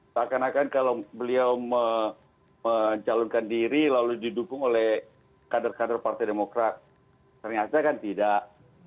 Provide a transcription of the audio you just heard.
seakan akan kalau beliau mencalonkan diri lalu didukung oleh kader kader partai demokrat ternyata kan tidak